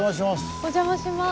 お邪魔します。